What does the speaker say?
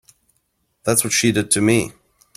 That's what she did to me.